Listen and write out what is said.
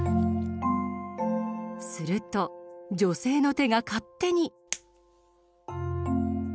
すると女性の手が勝手に。